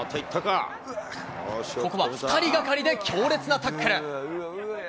ここは２人がかりで強烈なタックル。